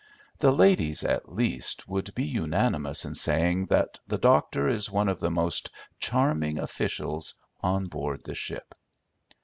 The ladies, at least, would be unanimous in saying that the doctor is one of the most charming officials on board the ship.